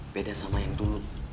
beda sama yang dulu